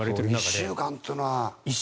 １週間というのは。